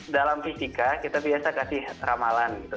dalam fisika kita biasa kasih ramalan gitu